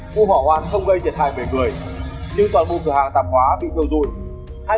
vụ hỏa hoan không gây thiệt hại về người nhưng toàn vùng cửa hàng tạm hóa bị tiêu dụi